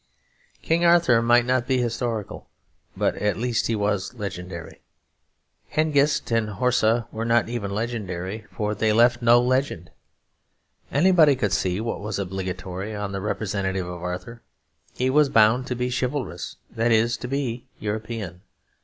King Arthur might not be historical, but at least he was legendary. Hengist and Horsa were not even legendary, for they left no legend. Anybody could see what was obligatory on the representative of Arthur; he was bound to be chivalrous, that is, to be European.